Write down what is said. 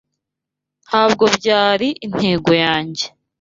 Ntabwo byari intego yanjye.